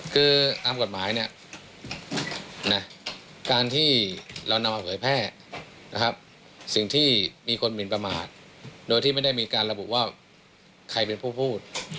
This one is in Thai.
คือตามกฎหมายเนี่ยนะการที่เรานำมาเผยแพร่นะครับสิ่งที่มีคนหมินประมาทโดยที่ไม่ได้มีการระบุว่าใครเป็นผู้พูด